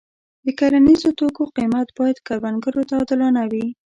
د کرنیزو توکو قیمت باید کروندګر ته عادلانه وي.